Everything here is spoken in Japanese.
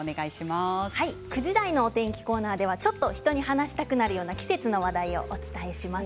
９時台のお天気コーナーでは人に話したくなるような季節の話題をお伝えします。